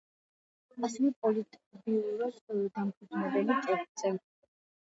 ასევე პოლიტბიუროს დამფუძნებელი წევრი.